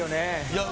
いや